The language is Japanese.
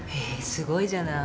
すごいじゃない。